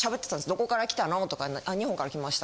「どこから来たの？」とか「日本から来ました」。